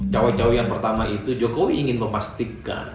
cawe cawe yang pertama itu jokowi ingin memastikan